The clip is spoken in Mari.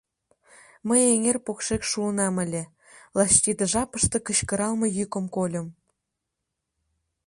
Мый эҥер покшек шуынам ыле, лач тиде жапыште кычкыралме йӱкым кольым.